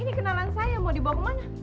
ini kenalan saya mau dibawa kemana